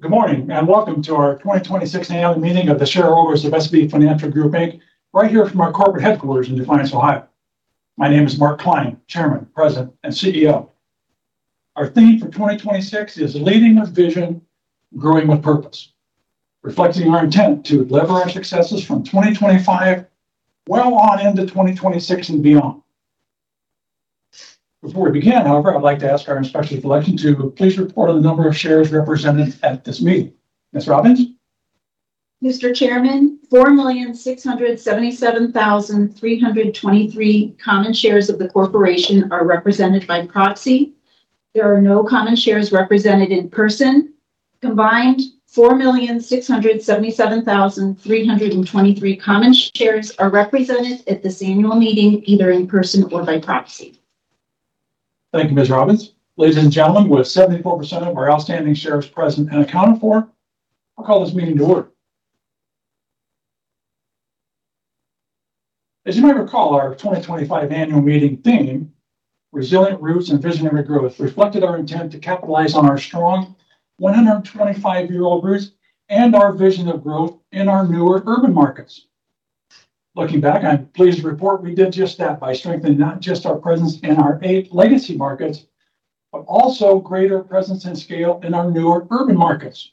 Good morning, and welcome to our 2026 annual meeting of the shareholders of SB Financial Group, Inc., right here from our corporate headquarters in Defiance, Ohio. My name is Mark Klein, Chairman, President, and CEO. Our theme for 2026 is Leading with Vision, Growing with Purpose, reflecting our intent to lever our successes from 2025 well on into 2026 and beyond. Before we begin, however, I'd like to ask our Inspector of Election to please report on the number of shares represented at this meeting. Ms. Robbins? Mr. Chairman, 4,677,323 common shares of the corporation are represented by proxy. There are no common shares represented in person. Combined, 4,677,323 common shares are represented at this annual meeting, either in person or by proxy. Thank you, Ms. Robbins. Ladies and gentlemen, with 74% of our outstanding shares present and accounted for, I'll call this meeting to order. As you may recall, our 2025 annual meeting theme, Resilient Roots and Visionary Growth, reflected our intent to capitalize on our strong 125-year-old roots and our vision of growth in our newer urban markets. Looking back, I'm pleased to report we did just that by strengthening not just our presence in our eight legacy markets, but also greater presence and scale in our newer urban markets.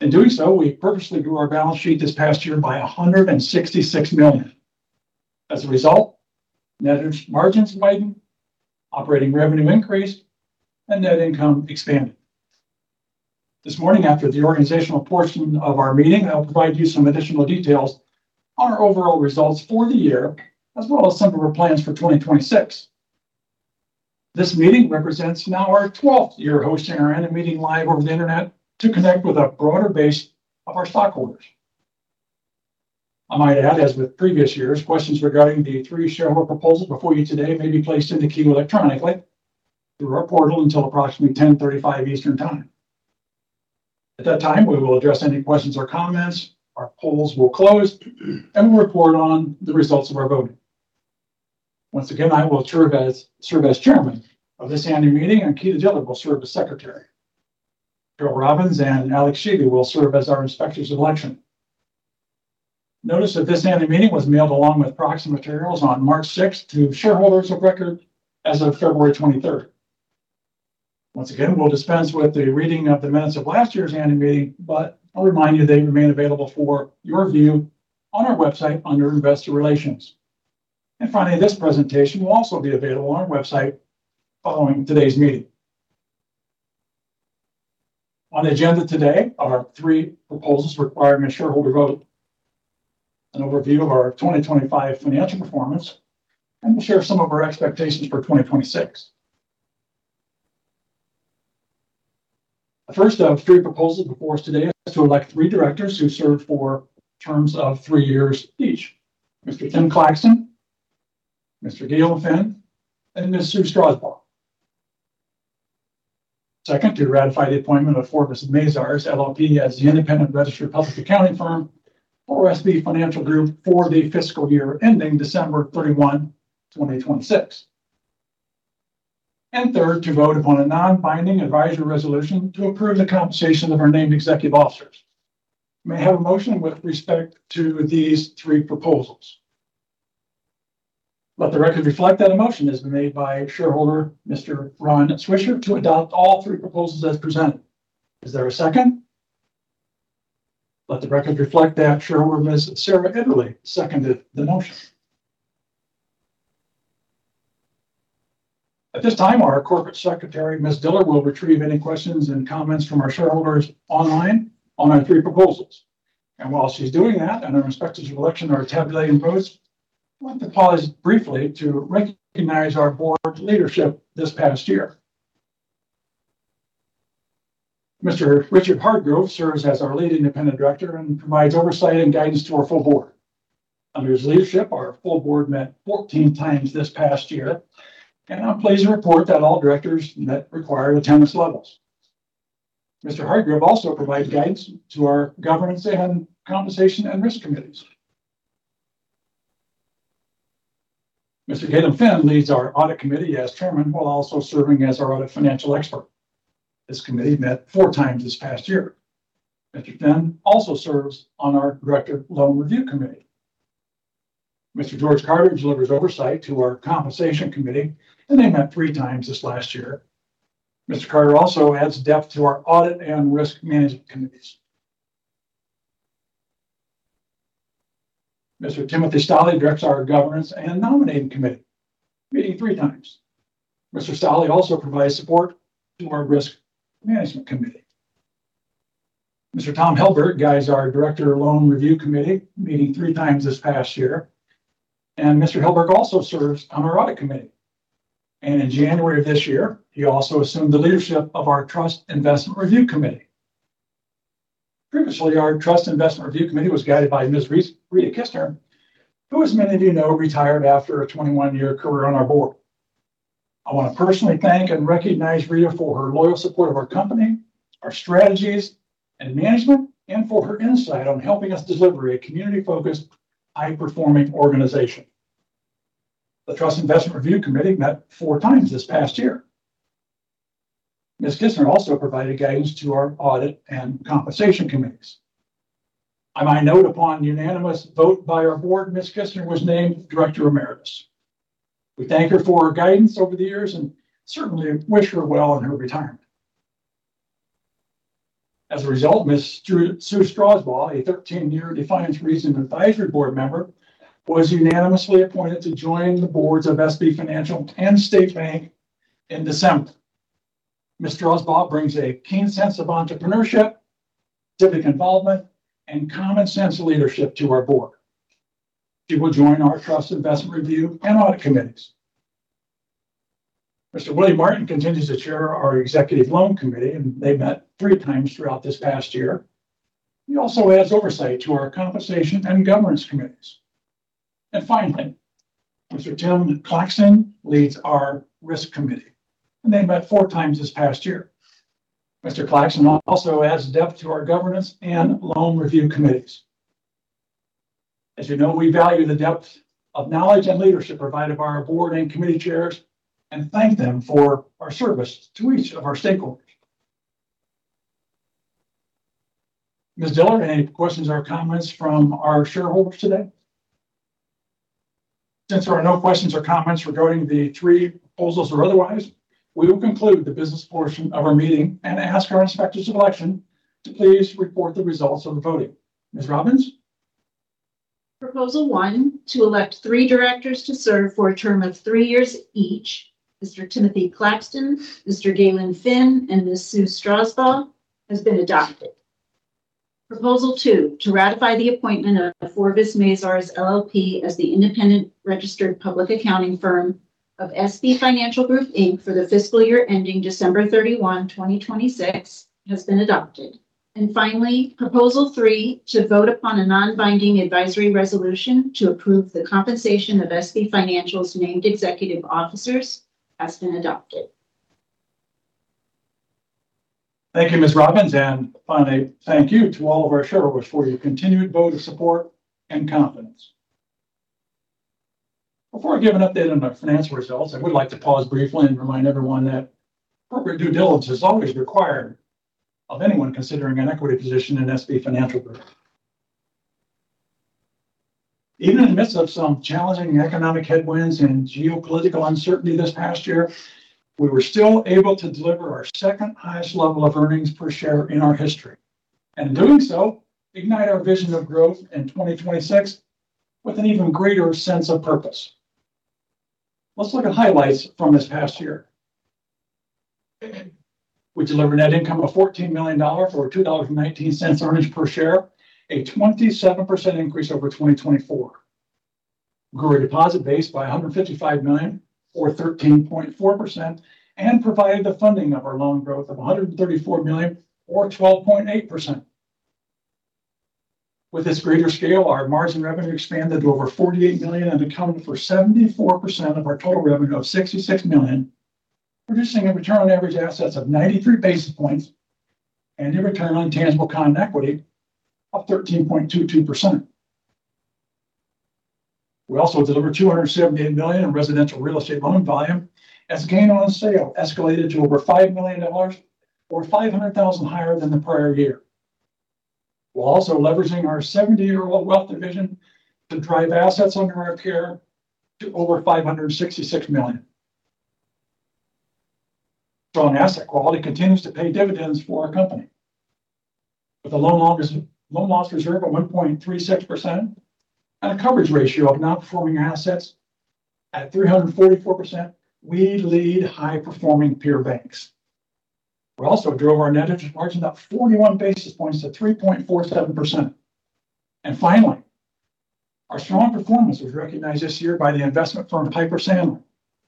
In doing so, we purposely grew our balance sheet this past year by $166 million. As a result, net interest margins widened, operating revenue increased, and net income expanded. This morning, after the organizational portion of our meeting, I'll provide you some additional details on our overall results for the year, as well as some of our plans for 2026. This meeting represents now our 12th year hosting our annual meeting live over the internet to connect with a broader base of our stockholders. I might add, as with previous years, questions regarding the three shareholder proposals before you today may be placed in the queue electronically through our portal until approximately 10:35 Eastern Time. At that time, we will address any questions or comments, our polls will close, and we'll report on the results of our voting. Once again, I will serve as chairman of this annual meeting, and Keeta Diller will serve as secretary. Carol Robbins and Alex Scheele will serve as our Inspectors of Election. Notice that this annual meeting was mailed along with proxy materials on March 6th to shareholders of record as of February 23rd. Once again, we'll dispense with the reading of the minutes of last year's annual meeting, but I'll remind you they remain available for your view on our website under Investor Relations. Finally, this presentation will also be available on our website following today's meeting. On the agenda today are three proposals requiring a shareholder vote, an overview of our 2025 financial performance, and we'll share some of our expectations for 2026. The first of three proposals before us today is to elect three directors who serve for terms of three years each. Mr. Timothy L. Claxton, Mr. Gaylyn J. Finn, and Ms. Sue A. Strausbaugh. Second, to ratify the appointment of Forvis Mazars LLP as the independent registered public accounting firm for SB Financial Group for the fiscal year ending December 31, 2026. Third, to vote upon a non-binding advisory resolution to approve the compensation of our named executive officers. May I have a motion with respect to these three proposals? Let the record reflect that a motion has been made by shareholder Mr. Ron Swisher to adopt all three proposals as presented. Is there a second? Let the record reflect that shareholder Ms. Sarah Italy seconded the motion. At this time, our Corporate Secretary, Ms. Keeta Diller, will retrieve any questions and comments from our shareholders online on our three proposals. While she's doing that and our Inspectors of Election are tabulating votes, I'd like to pause briefly to recognize our board leadership this past year. Mr. Richard Hardgrove serves as our Lead Independent Director and provides oversight and guidance to our full board. Under his leadership, our full board met 14 times this past year, and I'm pleased to report that all directors met required attendance levels. Mr. Hardgrove also provides guidance to our Governance, Compensation, and Risk Committees. Mr. Gaylyn Finn leads our Audit Committee as chairman, while also serving as our audit financial expert. This committee met four times this past year. Mr. Finn also serves on our Director Loan Review Committee. Mr. George Carter delivers oversight to our Compensation Committee, and they met three times this last year. Mr. Carter also adds depth to our Audit and Risk Management Committees. Mr. Timothy Stolly directs our Governance and Nominating Committee, meeting three times. Mr. Stolly also provides support to our Risk Management Committee. Mr. Tom Helberg guides our Director Loan Review Committee, meeting three times this past year. Mr. Helberg also serves on our Audit Committee. In January of this year, he also assumed the leadership of our Trust Investment Review Committee. Previously, our Trust Investment Review Committee was guided by Ms. Rita Kissner, who, as many of you know, retired after a 21-year career on our board. I want to personally thank and recognize Rita for her loyal support of our company, our strategies and management, and for her insight on helping us deliver a community-focused, high-performing organization. The Trust Investment Review Committee met four times this past year. Ms. Kissner also provided guidance to our audit and compensation committees. I note upon unanimous vote by our board, Ms. Kissner was named Director Emeritus. We thank her for her guidance over the years and certainly wish her well in her retirement. As a result, Ms. Sue Strausbaugh, a 13-year Defiance Advisory Board member, was unanimously appointed to join the boards of SB Financial and State Bank in December. Ms. Strausbaugh brings a keen sense of entrepreneurship, civic involvement, and common sense leadership to our board. She will join our Trust Investment Review and Audit committees. Mr. Willie Martin continues to chair our Executive Loan Committee, and they met three times throughout this past year. He also adds oversight to our Compensation and Governance committees. Finally, Mr. Tim Claxton leads our Risk committee, and they met four times this past year. Mr. Claxton also adds depth to our Governance and Loan Review committees. As you know, we value the depth of knowledge and leadership provided by our board and committee chairs and thank them for their service to each of our stakeholders. Ms. Diller, any questions or comments from our shareholders today? Since there are no questions or comments regarding the three proposals or otherwise, we will conclude the business portion of our meeting and ask our inspectors of election to please report the results of the voting. Ms. Robbins? Proposal one, to elect three directors to serve for a term of three years each. Mr. Timothy Claxton, Mr. Gaylyn Finn, and Ms. Sue Strausbaugh has been adopted. Proposal two, to ratify the appointment of Forvis Mazars LLP as the independent registered public accounting firm of SB Financial Group, Inc. for the fiscal year ending December 31, 2026, has been adopted. Finally, proposal three, to vote upon a non-binding advisory resolution to approve the compensation of SB Financial's named executive officers, has been adopted. Thank you, Ms. Robbins, and finally, thank you to all of our shareholders for your continued vote of support and confidence. Before I give an update on our financial results, I would like to pause briefly and remind everyone that proper due diligence is always required of anyone considering an equity position in SB Financial Group. Even in the midst of some challenging economic headwinds and geopolitical uncertainty this past year, we were still able to deliver our second highest level of earnings per share in our history. In doing so, ignite our vision of growth in 2026 with an even greater sense of purpose. Let's look at highlights from this past year. We delivered net income of $14 million, or $2.19 earnings per share, a 27% increase over 2024. We grew our deposit base by $155 million or 13.4%, and provided the funding of our loan growth of $134 million or 12.8%. With this greater scale, our margin revenue expanded to over $48 million and accounted for 74% of our total revenue of $66 million, producing a return on average assets of 93 basis points and a return on tangible common equity of 13.22%. We also delivered $278 million in residential real estate loan volume as gain on sale escalated to over $5 million, or $500,000 higher than the prior year, while also leveraging our 70-year-old wealth division to drive assets under our care to over $566 million. Strong asset quality continues to pay dividends for our company. With a loan loss reserve of 1.36% and a coverage ratio of non-performing assets at 344%, we lead high-performing peer banks. We also drove our net interest margin up 41 basis points to 3.47%. Finally, our strong performance was recognized this year by the investment firm Piper Sandler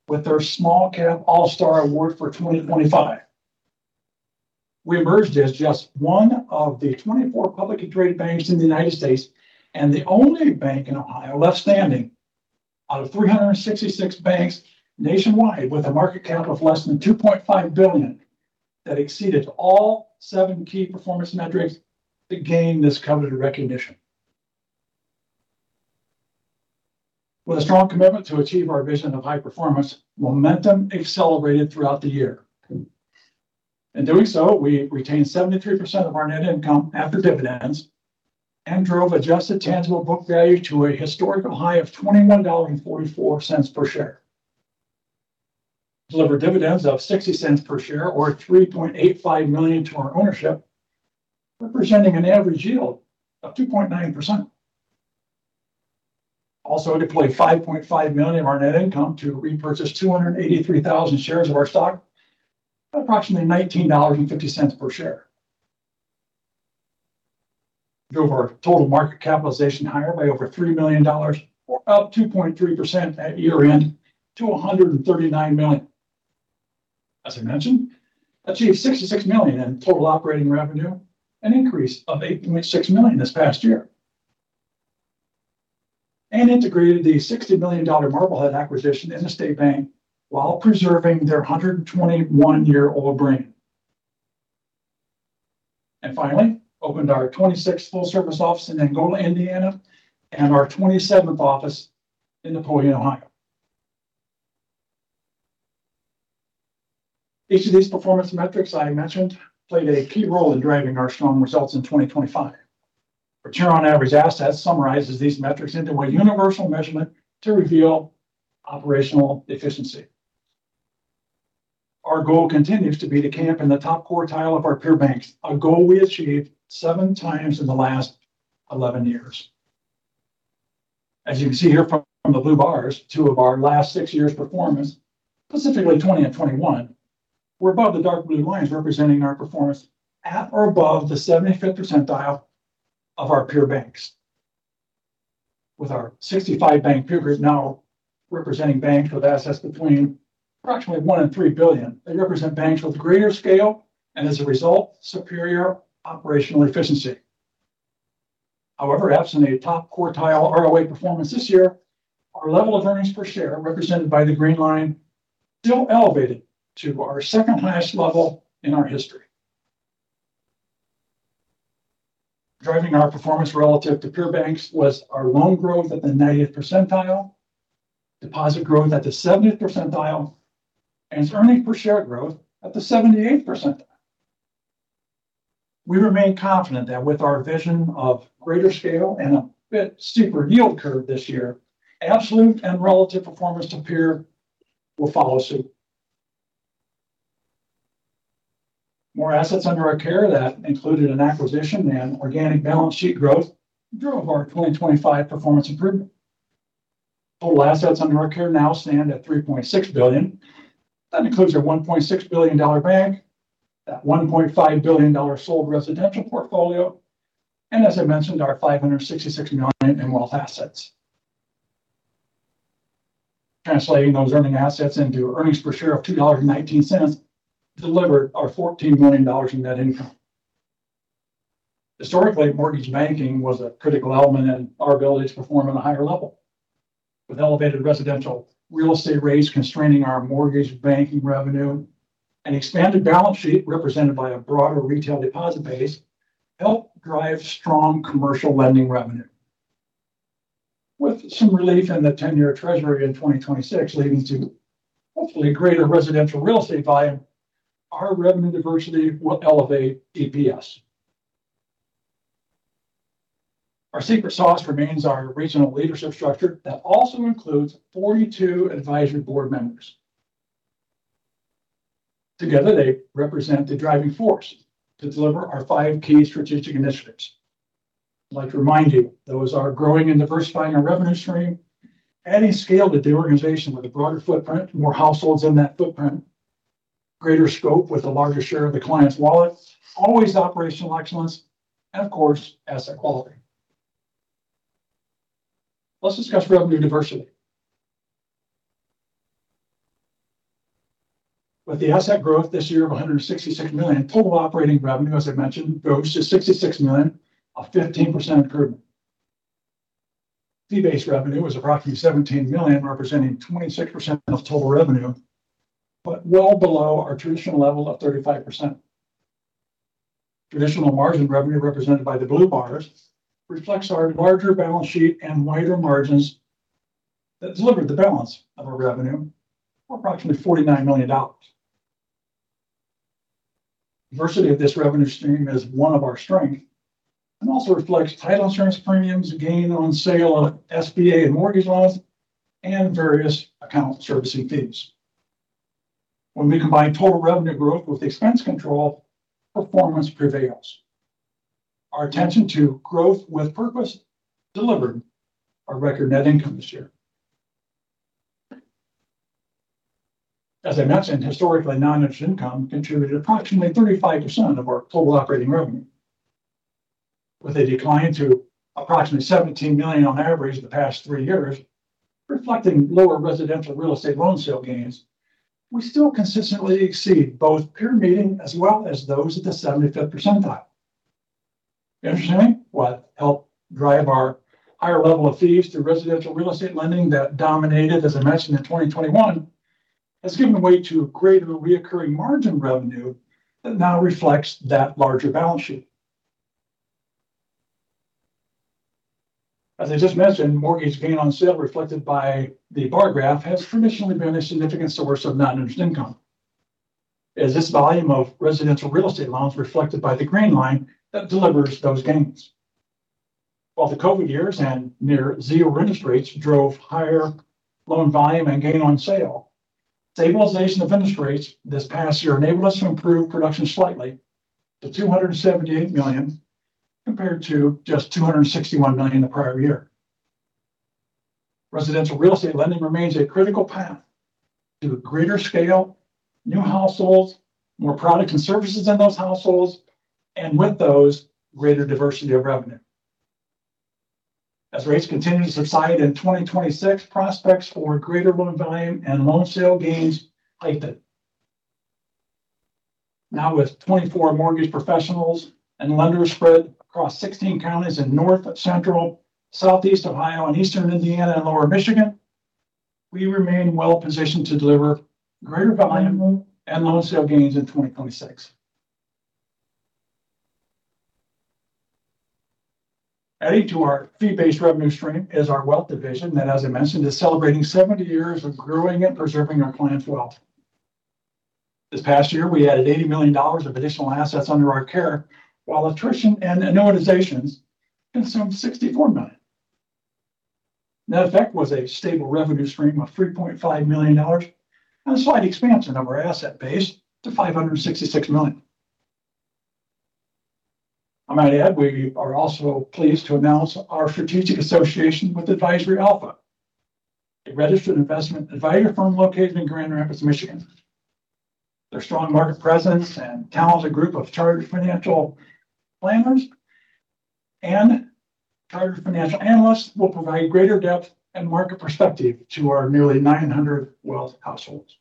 with their Sm-All Stars award for 2025. We emerged as just one of the 24 publicly traded banks in the United States and the only bank in Ohio left standing out of 366 banks nationwide with a market cap of less than $2.5 billion that exceeded all 7 key performance metrics to gain this coveted recognition. With a strong commitment to achieve our vision of high performance, momentum accelerated throughout the year. In doing so, we retained 73% of our net income after dividends and drove adjusted tangible book value to a historical high of $21.44 per share. Delivered dividends of $0.60 per share or $3.85 million to our ownership, representing an average yield of 2.9%. Also deployed $5.5 million of our net income to repurchase 283,000 shares of our stock at approximately $19.50 per share. Drove our total market capitalization higher by over $3 million, or up 2.3% at year-end to $139 million. As I mentioned, achieved $66 million in total operating revenue, an increase of $8.6 million this past year. Integrated the $60 million Marblehead acquisition into State Bank while preserving their 121-year-old brand. Finally, opened our 26th full service office in Angola, Indiana, and our 27th office in Napoleon, Ohio. Each of these performance metrics I mentioned played a key role in driving our strong results in 2025. Return on average assets summarizes these metrics into a universal measurement to reveal operational efficiency. Our goal continues to be to come in the top quartile of our peer banks, a goal we achieved seven times in the last 11 years. As you can see here from the blue bars, two of our last six years' performance, specifically 2020 and 2021, were above the dark blue lines, representing our performance at or above the 75th percentile of our peer banks. With our 65 bank peer group now representing banks with assets between approximately one and three billion, they represent banks with greater scale and as a result, superior operational efficiency. However, absent a top quartile ROA performance this year, our level of earnings per share, represented by the green line, still elevated to our second highest level in our history. Driving our performance relative to peer banks was our loan growth at the 90th percentile, deposit growth at the 70th percentile, and its earnings per share growth at the 78th percentile. We remain confident that with our vision of greater scale and a bit steeper yield curve this year, absolute and relative performance to peers will follow suit. More assets under our care, that included an acquisition and organic balance sheet growth, drove our 2025 performance improvement. Total assets under our care now stand at $3.6 billion. That includes our $1.6 billion bank, that $1.5 billion sold residential portfolio, and as I mentioned, our $566 million in wealth assets. Translating those earning assets into earnings per share of $2.19 delivered our $14 million in net income. Historically, mortgage banking was a critical element in our ability to perform on a higher level. With elevated residential real estate rates constraining our mortgage banking revenue, an expanded balance sheet represented by a broader retail deposit base helped drive strong commercial lending revenue. With some relief in the 10-year Treasury in 2026 leading to hopefully greater residential real estate volume, our revenue diversity will elevate EPS. Our secret sauce remains our regional leadership structure that also includes 42 advisory board members. Together, they represent the driving force to deliver our five key strategic initiatives. I'd like to remind you, those are growing and diversifying our revenue stream, adding scale to the organization with a broader footprint, more households in that footprint, greater scope with a larger share of the client's wallet, always operational excellence, and of course, asset quality. Let's discuss revenue diversity. With the asset growth this year of $166 million, total operating revenue, as I mentioned, grows to $66 million, a 15% improvement. Fee-based revenue was approximately $17 million, representing 26% of total revenue, but well below our traditional level of 35%. Traditional margin revenue, represented by the blue bars, reflects our larger balance sheet and wider margins that delivered the balance of our revenue for approximately $49 million. Diversity of this revenue stream is one of our strength and also reflects title insurance premiums gained on sale of SBA and mortgage loans and various account servicing fees. When we combine total revenue growth with expense control, performance prevails. Our attention to growth with purpose delivered our record net income this year. As I mentioned, historically, non-interest income contributed approximately 35% of our total operating revenue. With a decline to approximately $17 million on average the past three years, reflecting lower residential real estate loan sale gains, we still consistently exceed both peer median as well as those at the 75th percentile. Interestingly, what helped drive our higher level of fees through residential real estate lending that dominated, as I mentioned, in 2021, has given way to greater recurring margin revenue that now reflects that larger balance sheet. As I just mentioned, mortgage gain on sale reflected by the bar graph has traditionally been a significant source of non-interest income as this volume of residential real estate loans reflected by the green line that delivers those gains. While the COVID years and near-zero interest rates drove higher loan volume and gain on sale, stabilization of interest rates this past year enabled us to improve production slightly to $278 million, compared to just $261 million the prior year. Residential real estate lending remains a critical path to greater scale, new households, more products and services in those households, and with those, greater diversity of revenue. As rates continue to subside in 2026, prospects for greater loan volume and loan sale gains heightened. Now, with 24 mortgage professionals and lenders spread across 16 counties in North, Central, Southeast Ohio, and Eastern Indiana and Lower Michigan. We remain well positioned to deliver greater volume and loan sale gains in 2026. Adding to our fee-based revenue stream is our wealth division that, as I mentioned, is celebrating 70 years of growing and preserving our clients' wealth. This past year, we added $80 million of additional assets under our care, while attrition and annuitizations consumed $64 million. Net effect was a stable revenue stream of $3.5 million and a slight expansion of our asset base to $566 million. I might add, we are also pleased to announce our strategic association with Advisory Alpha, a registered investment advisor firm located in Grand Rapids, Michigan. Their strong market presence and talented group of chartered financial planners and chartered financial analysts will provide greater depth and market perspective to our nearly 900 wealth households.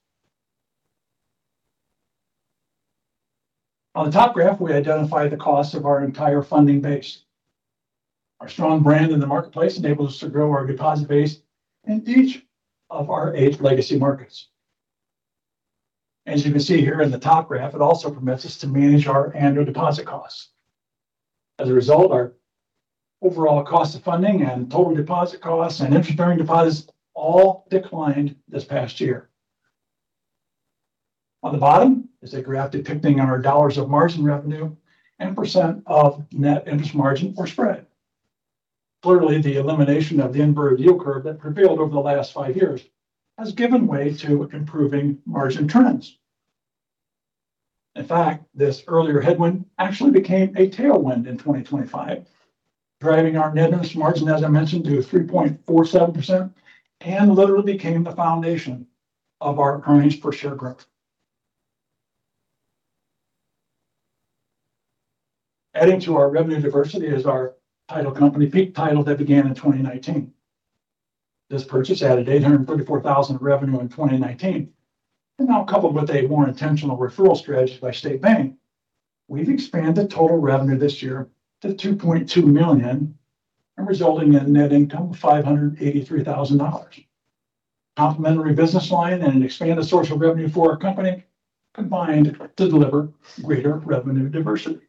On the top graph, we identify the cost of our entire funding base. Our strong brand in the marketplace enables us to grow our deposit base in each of our eight legacy markets. As you can see here in the top graph, it also permits us to manage our annual deposit costs. As a result, our overall cost of funding and total deposit costs and interest-bearing deposits all declined this past year. On the bottom is a graph depicting our dollars of margin revenue and percent of net interest margin or spread. Clearly, the elimination of the inverted yield curve that prevailed over the last 5 years has given way to improving margin trends. In fact, this earlier headwind actually became a tailwind in 2025, driving our net interest margin, as I mentioned, to 3.47%, and literally became the foundation of our earnings per share growth. Adding to our revenue diversity is our title company, Peak Title, that began in 2019. This purchase added $834,000 in revenue in 2019, and now coupled with a more intentional referral strategy by State Bank, we've expanded total revenue this year to $2.2 million, and resulting in net income of $583,000. Complementary business line and an expanded source of revenue for our company combined to deliver greater revenue diversity.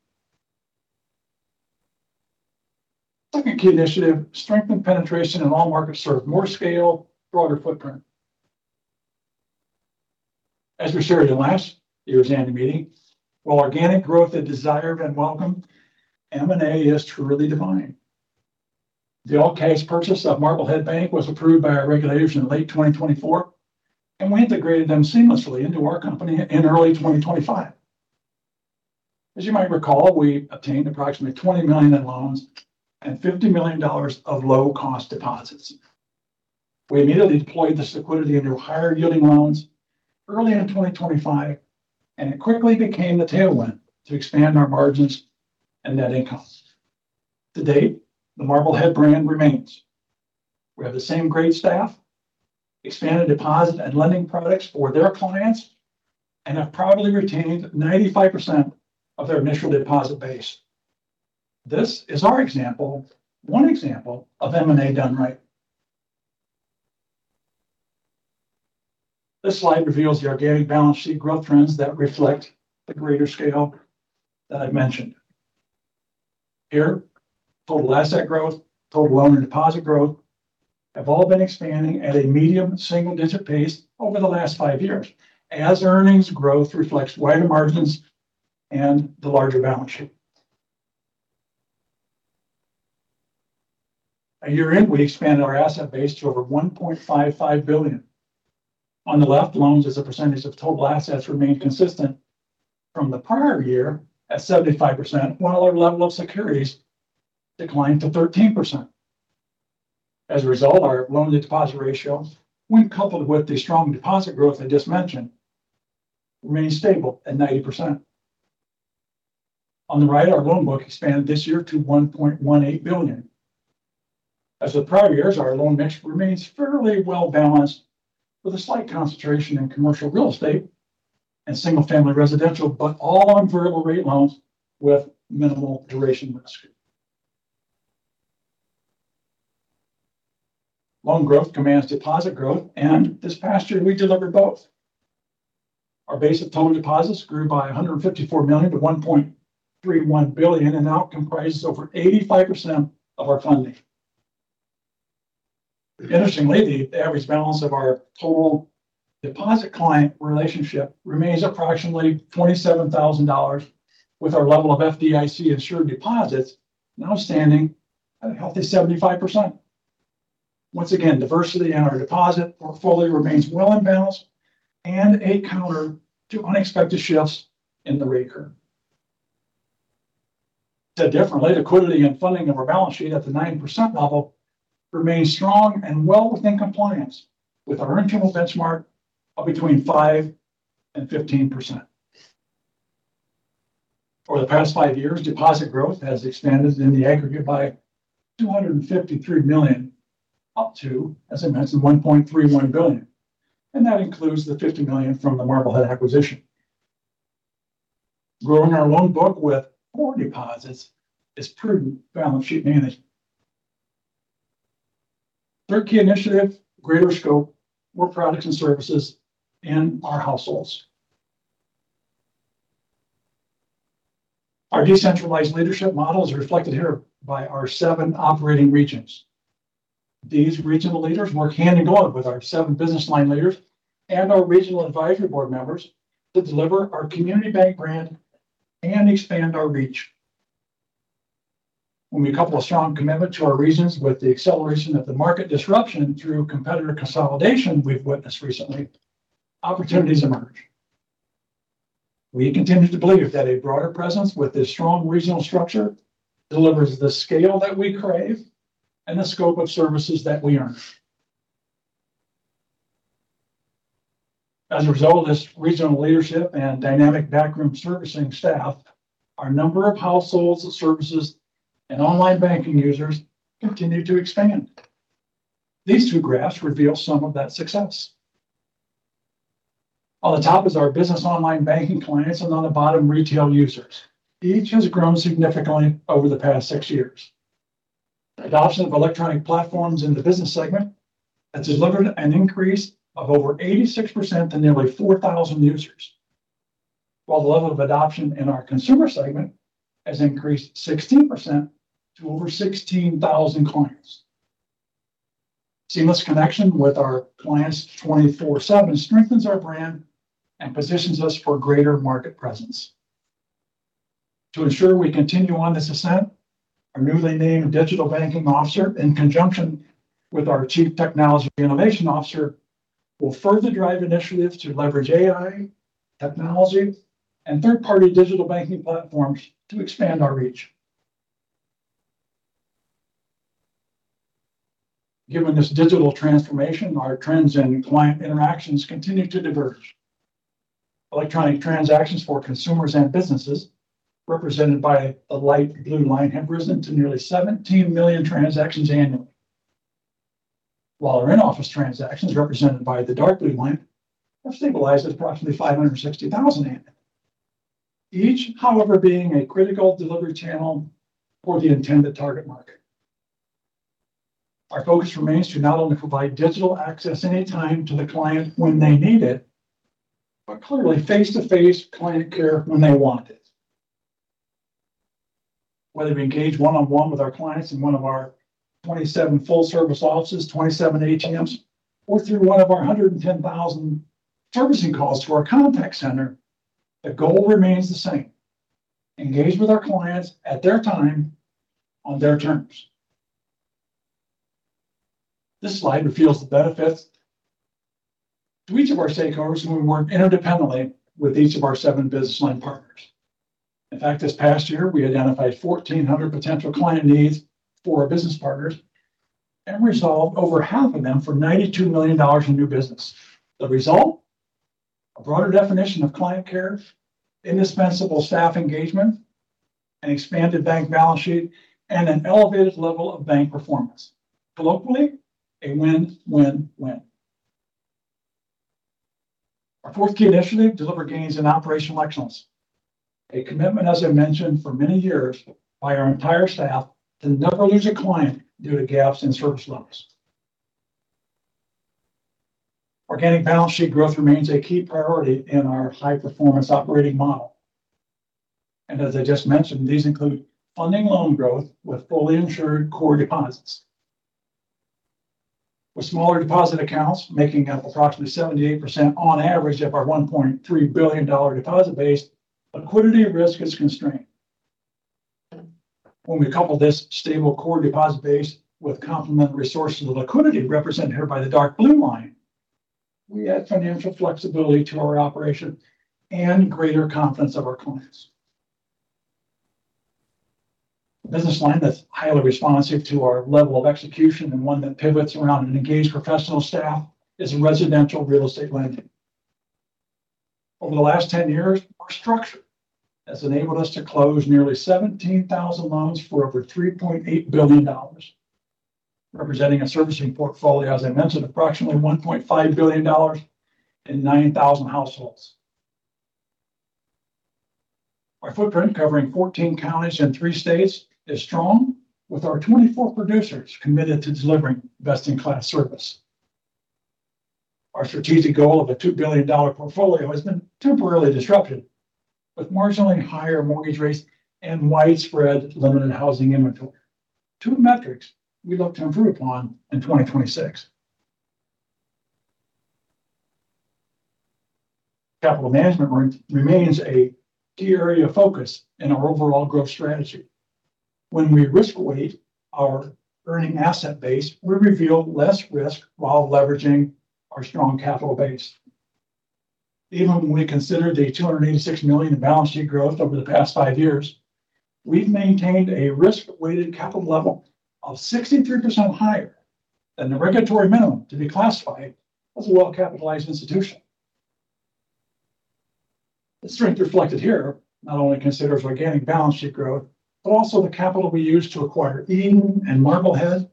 Second key initiative, strengthen penetration in all markets served, more scale, broader footprint. As we shared in last year's annual meeting, while organic growth is desired and welcomed, M&A is truly divine. The all cash purchase of The Marblehead Bank was approved by our regulators in late 2024, and we integrated them seamlessly into our company in early 2025. As you might recall, we obtained approximately $20 million in loans and $50 million of low-cost deposits. We immediately deployed this liquidity into higher yielding loans early in 2025, and it quickly became the tailwind to expand our margins and net income. To date, the Marblehead brand remains. We have the same great staff, expanded deposit and lending products for their clients, and have proudly retained 95% of their initial deposit base. This is our example, one example, of M&A done right. This slide reveals the organic balance sheet growth trends that reflect the greater scale that I mentioned. Here, total asset growth, total loan, and deposit growth have all been expanding at a medium single-digit pace over the last five years, as earnings growth reflects wider margins and the larger balance sheet. A year in, we expanded our asset base to over $1.55 billion. On the left, loans as a percentage of total assets remained consistent from the prior year at 75%, while our level of securities declined to 13%. As a result, our loan to deposit ratio, when coupled with the strong deposit growth I just mentioned, remained stable at 90%. On the right, our loan book expanded this year to $1.18 billion. As with prior years, our loan mix remains fairly well-balanced with a slight concentration in commercial real estate and single-family residential, but all on variable rate loans with minimal duration risk. Loan growth commands deposit growth, and this past year, we delivered both. Our base of total deposits grew by $154 million to $1.31 billion and now comprises over 85% of our funding. Interestingly, the average balance of our total deposit client relationship remains approximately $27,000, with our level of FDIC-insured deposits now standing at a healthy 75%. Once again, diversity in our deposit portfolio remains well and balanced and a counter to unexpected shifts in the rate curve. Said differently, liquidity and funding of our balance sheet at the 9% level remains strong and well within compliance with our internal benchmark of between 5% and 15%. For the past five years, deposit growth has expanded in the aggregate by $253 million, up to, as I mentioned, $1.31 billion, and that includes the $50 million from the Marblehead acquisition. Growing our loan book with core deposits is prudent balance sheet management. Third key initiative, greater scope, more products and services in our households. Our decentralized leadership model is reflected here by our seven operating regions. These regional leaders work hand in glove with our seven business line leaders and our regional advisory board members to deliver our community bank brand and expand our reach. When we couple a strong commitment to our regions with the acceleration of the market disruption through competitor consolidation we've witnessed recently, opportunities emerge. We continue to believe that a broader presence with a strong regional structure delivers the scale that we crave and the scope of services that we earn. As a result of this regional leadership and dynamic backroom servicing staff, our number of households, services, and online banking users continue to expand. These two graphs reveal some of that success. On the top is our business online banking clients, and on the bottom, retail users. Each has grown significantly over the past six years. Adoption of electronic platforms in the business segment has delivered an increase of over 86% to nearly 4,000 users. While the level of adoption in our consumer segment has increased 16% to over 16,000 clients. Seamless connection with our clients 24/7 strengthens our brand and positions us for greater market presence. To ensure we continue on this ascent, our newly named digital banking officer, in conjunction with our chief technology innovation officer, will further drive initiatives to leverage AI, technology, and third-party digital banking platforms to expand our reach. Given this digital transformation, our trends in client interactions continue to diverge. Electronic transactions for consumers and businesses, represented by a light blue line, have risen to nearly 17 million transactions annually. While our in-office transactions, represented by the dark blue line, have stabilized at approximately 560,000 annually. Each, however, being a critical delivery channel for the intended target market. Our focus remains to not only provide digital access any time to the client when they need it, but clearly face-to-face client care when they want it. Whether we engage one-on-one with our clients in one of our 27 full-service offices, 27 ATMs, or through one of our 110,000 servicing calls to our contact center, the goal remains the same. Engage with our clients at their time on their terms. This slide reveals the benefits to each of our stakeholders when we work interdependently with each of our seven business line partners. In fact, this past year, we identified 1,400 potential client needs for our business partners and resolved over half of them for $92 million in new business. The result, a broader definition of client care, indispensable staff engagement, an expanded bank balance sheet, and an elevated level of bank performance. Colloquially, a win-win-win. Our fourth key initiative, deliver gains in operational excellence, a commitment, as I mentioned, for many years by our entire staff to never lose a client due to gaps in service levels. Organic balance sheet growth remains a key priority in our high-performance operating model. As I just mentioned, these include funding loan growth with fully insured core deposits. With smaller deposit accounts, making up approximately 78% on average of our $1.3 billion deposit base, liquidity risk is constrained. When we couple this stable core deposit base with complementary resources' liquidity represented here by the dark blue line, we add financial flexibility to our operation and greater confidence of our clients. A business line that's highly responsive to our level of execution and one that pivots around an engaged professional staff is residential real estate lending. Over the last 10 years, our structure has enabled us to close nearly 17,000 loans for over $3.8 billion, representing a servicing portfolio, as I mentioned, approximately $1.5 billion and 9,000 households. Our footprint, covering 14 counties and three states, is strong, with our 24 producers committed to delivering best-in-class service. Our strategic goal of a $2 billion portfolio has been temporarily disrupted, with marginally higher mortgage rates and widespread limited housing inventory, two metrics we look to improve upon in 2026. Capital management remains a key area of focus in our overall growth strategy. When we risk-weight our earning asset base, we reveal less risk while leveraging our strong capital base. Even when we consider the $286 million in balance sheet growth over the past five years, we've maintained a risk-weighted capital level of 63% higher than the regulatory minimum to be classified as a well-capitalized institution. The strength reflected here not only considers organic balance sheet growth, but also the capital we used to acquire Edon and Marblehead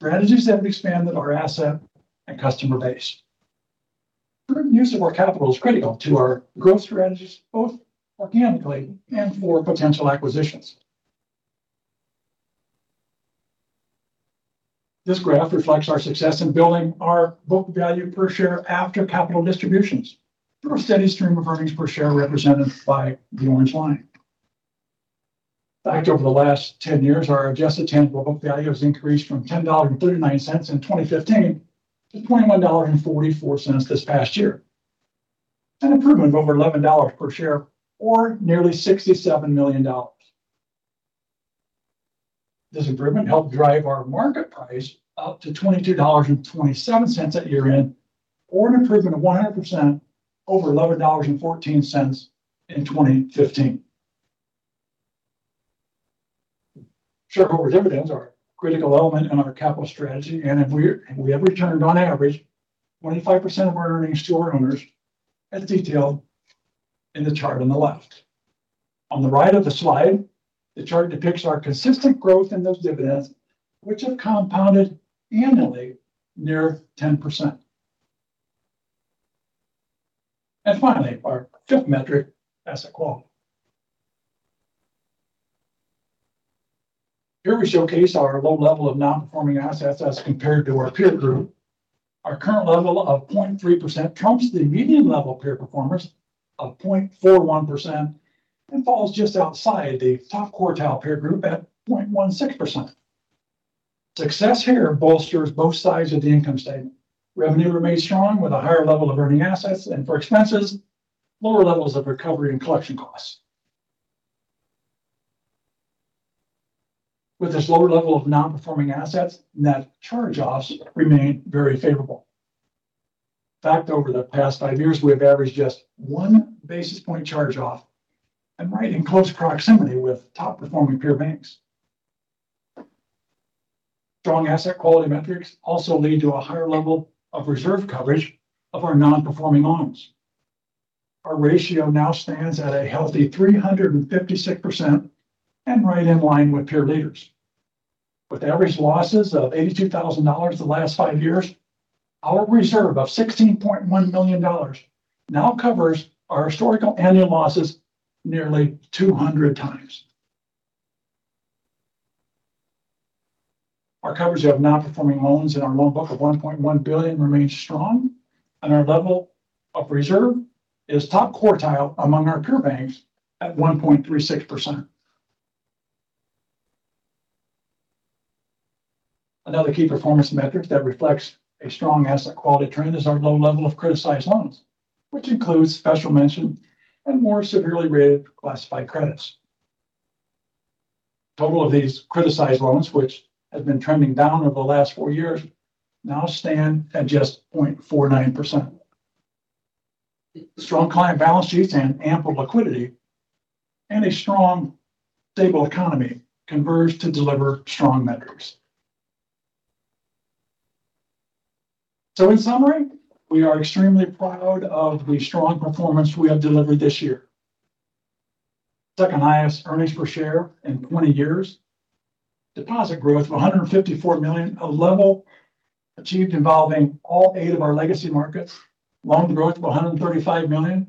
strategies that have expanded our asset and customer base. Prudent use of our capital is critical to our growth strategies, both organically and for potential acquisitions. This graph reflects our success in building our book value per share after capital distributions through a steady stream of earnings per share represented by the orange line. In fact, over the last 10 years, our adjusted tangible book value has increased from $10.39 in 2015 to $21.44 this past year, an improvement of over $11 per share or nearly $67 million. This improvement helped drive our market price up to $22.27 at year-end, or an improvement of 100% over $11.14 in 2015. Shareholder dividends are a critical element in our capital strategy, and we have returned, on average, 25% of our earnings to our owners, as detailed in the chart on the left. On the right of the slide, the chart depicts our consistent growth in those dividends, which have compounded annually near 10%. Finally, our fifth metric, asset quality. Here we showcase our low level of non-performing assets as compared to our peer group. Our current level of 0.3% trumps the median level peer performance of 0.41%, and falls just outside the top quartile peer group at 0.16%. Success here bolsters both sides of the income statement. Revenue remains strong with a higher level of earning assets, and for expenses, lower levels of recovery and collection costs. With this lower level of non-performing assets, net charge-offs remain very favorable. In fact, over the past five years, we have averaged just one basis point charge-off and right in close proximity with top-performing peer banks. Strong asset quality metrics also lead to a higher level of reserve coverage of our non-performing loans. Our ratio now stands at a healthy 356% and right in line with peer leaders. With average losses of $82,000 the last five years, our reserve of $16.1 million now covers our historical annual losses nearly 200 times. Our coverage of non-performing loans in our loan book of $1.1 billion remains strong, and our level of reserve is top quartile among our peer banks at 1.36%. Another key performance metric that reflects a strong asset quality trend is our low level of criticized loans, which includes special mention and more severely rated classified credits. Total of these criticized loans, which have been trending down over the last four years, now stand at just 0.49%. Strong client balance sheets and ample liquidity and a strong, stable economy converge to deliver strong metrics. In summary, we are extremely proud of the strong performance we have delivered this year. Second highest earnings per share in 20 years. Deposit growth of $154 million, a level achieved involving all eight of our legacy markets. Loan growth of $135 million.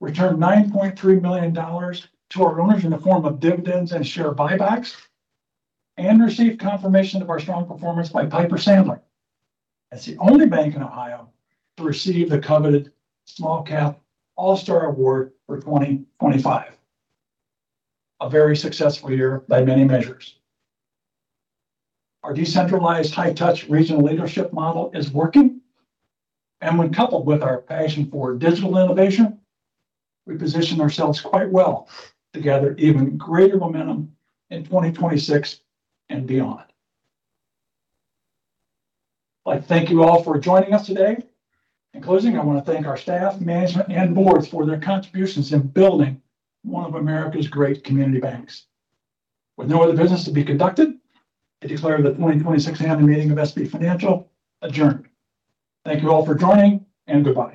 Returned $9.3 million to our owners in the form of dividends and share buybacks, and received confirmation of our strong performance by Piper Sandler as the only bank in Ohio to receive the coveted Small Cap All-Star Award for 2025. A very successful year by many measures. Our decentralized high-touch regional leadership model is working, and when coupled with our passion for digital innovation, we position ourselves quite well to gather even greater momentum in 2026 and beyond. I thank you all for joining us today. In closing, I want to thank our staff, management and board for their contributions in building one of America's great community banks. With no other business to be conducted, I declare the 2026 Annual Meeting of SB Financial Group adjourned. Thank you all for joining, and goodbye.